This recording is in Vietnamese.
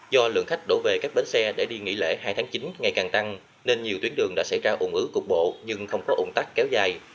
do lượng khách đổ về các bến xe để đi nghỉ lễ hai tháng chín ngày càng tăng nên nhiều tuyến đường đã xảy ra ủng ứ cục bộ nhưng không có ủng tắc kéo dài